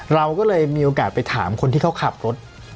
เราก็เลยมีโอกาสไปถามคนที่เขาขับรถ